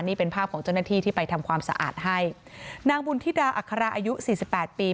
นี่เป็นภาพของเจ้าหน้าที่ที่ไปทำความสะอาดให้นางบุญธิดาอัคราอายุสี่สิบแปดปี